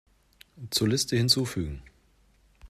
Zur Liste hinzufügen.